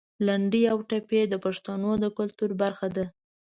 لنډۍ او ټپې د پښتنو د کلتور برخه ده.